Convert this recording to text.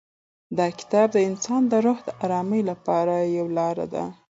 دا کتاب د انسان د روح د ارامۍ لپاره یوه لاره ده.